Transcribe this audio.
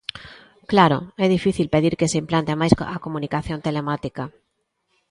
Claro, é difícil pedir que se implante máis a comunicación telemática.